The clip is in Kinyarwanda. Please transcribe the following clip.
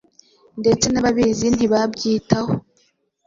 ndetse n’ababizi ntibabyitaho.